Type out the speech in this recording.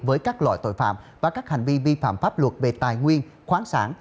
với các loại tội phạm và các hành vi vi phạm pháp luật về tài nguyên khoáng sản